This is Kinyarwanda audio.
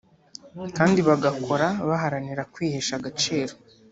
kandi bagakora baharanira kwihesha agaciro